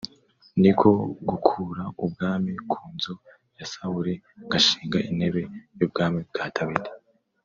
ni ko gukura ubwami ku nzu ya Sawuli ngashinga intebe y’ubwami bwa Dawidi